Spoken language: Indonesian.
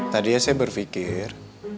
tadinya saya berfikir